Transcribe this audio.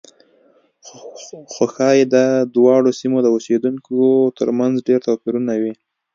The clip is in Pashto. خو ښایي د دواړو سیمو د اوسېدونکو ترمنځ ډېر توپیرونه وي.